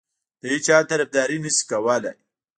د هیچا طرفداري نه شي کولای.